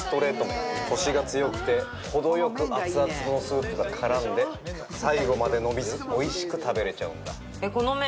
麺コシが強くて程よくアツアツのスープが絡んで最後までのびずおいしく食べれちゃうんだ